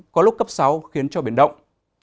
có lúc cấp sáu khiến cho biển động